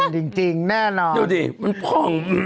แน่นจริงแน่นอนครับดูดิมันพ่องอื้อ